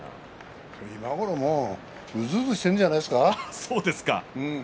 今頃もううずうずしているんじゃないですか。